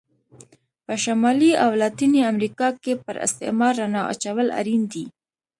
په شمالي او لاتینې امریکا کې پر استعمار رڼا اچول اړین دي.